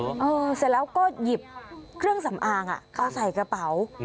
เสร็จแล้วก็หยิบเครื่องสำอางเอาใส่กระเป๋า